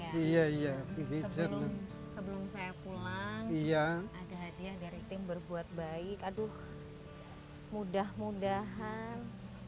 belanja daya dari yang berbuat baik aduh mudah mudahan